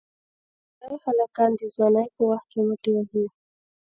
ډېری هلکان د ځوانی په وخت کې موټی وهي.